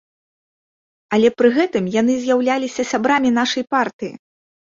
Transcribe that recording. Але пры гэтым яны з'яўляліся сябрамі нашай партыі!